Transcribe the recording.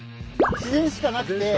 自然しかなくて。